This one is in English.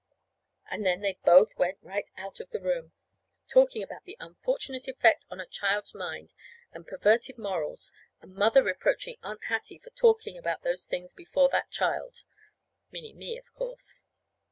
And them they both went right out of the room, talking about the unfortunate effect on a child's mind, and perverted morals, and Mother reproaching Aunt Hattie for talking about those things before that child (meaning me, of course).